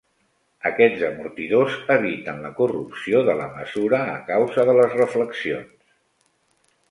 Aquests amortidors eviten la corrupció de la mesura a causa de les reflexions.